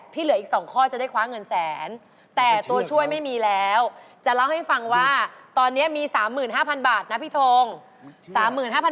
พี่เหลืออีก๒ข้อจะได้คว้าเงินแสน